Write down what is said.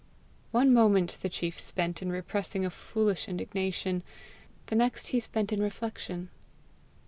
One moment the chief spent in repressing a foolish indignation; the next he spent in reflection.